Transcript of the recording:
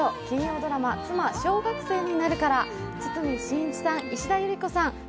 金曜ドラマ「妻、小学生になる」から堤真一さん、石田ゆり子さん